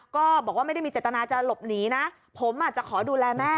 ก็บอกว่าไม่ได้มีเจตนาจะหลบหนีนะผมจะขอดูแลแม่